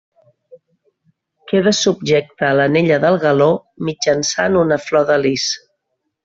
Queda subjecta a l'anella del galó mitjançant una flor de lis.